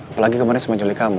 apalagi kemarin sama juli kamu